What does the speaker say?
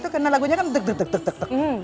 itu karena lagunya kan dek dek dek dek dek